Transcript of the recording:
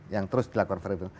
yang terus dilakukan